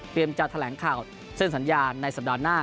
จะแถลงข่าวเส้นสัญญาณในสัปดาห์หน้า